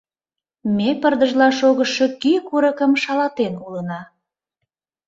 Ме пырдыжла шогышо кӱ курыкым шалатен улына.